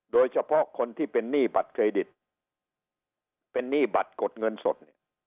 โดยเฉพาะคนที่เป็นหนี้บัตรเครดิตเป็นหนี้บัตรกดเงินสดเนี่ย